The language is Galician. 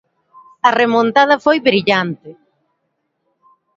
A remontada foi brillante.